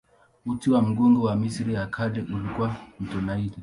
Uti wa mgongo wa Misri ya Kale ulikuwa mto Naili.